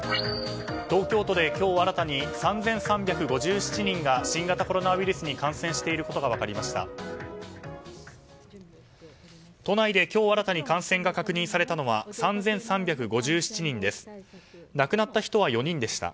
東京都で今日新たに３３５７人が新型コロナウイルスに感染していることが分かりました。